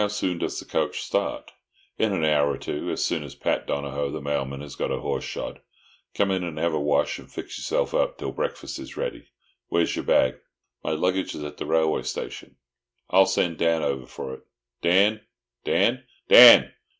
"How soon does the coach start?" "In an hour or two. As soon as Pat Donohoe, the mailman, has got a horse shod. Come in and have a wash, and fix yourself up till breakfast is ready. Where's your bag?" "My luggage is at the railway station." "I'll send Dan over for it. Dan, Dan, Dan!"